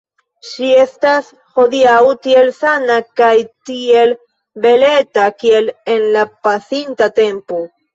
Ŝi estas hodiaŭ tiel sana kaj tiel beleta, kiel en la pasinta tempo.